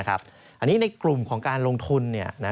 อันนี้ในกลุ่มของการลงทุน